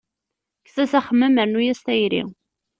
Kkes-as axemmem, rnnu-as tayri.